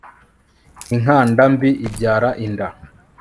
inkanda mbi ibyara inda